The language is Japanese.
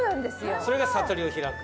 それが悟りを開く。